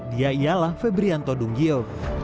dia ialah febrianto dunggio